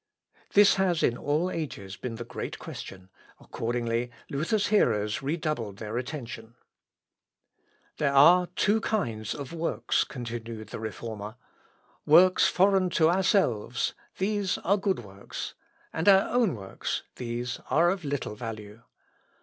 This has, in all ages, been the great question; accordingly Luther's hearers redoubled their attention. "There are two kinds of works," continued the Reformer; "works foreign to ourselves these are good works; and our own works these are of little value.